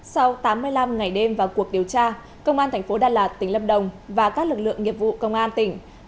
sau tám mươi năm ngày đêm và cuộc điều tra công an tp đà lạt tỉnh lâm đồng và các lực lượng nghiệp vụ công an tỉnh